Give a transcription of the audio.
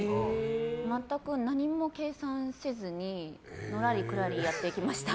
全く何も計算せずにのらりくらりやってきました。